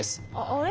あれ？